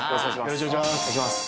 よろしくお願いします